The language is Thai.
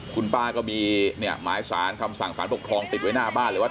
คุณป้าก็มีเนี่ยหมายสารคำสั่งสารปกครองติดไว้หน้าบ้านเลยว่า